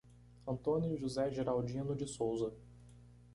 Antônio José Geraldino de Souza